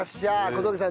小峠さん